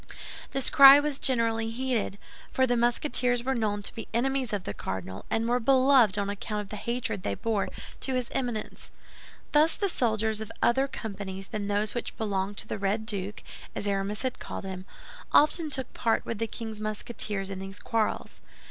This cry was generally heeded; for the Musketeers were known to be enemies of the cardinal, and were beloved on account of the hatred they bore to his Eminence. Thus the soldiers of other companies than those which belonged to the Red Duke, as Aramis had called him, often took part with the king's Musketeers in these quarrels.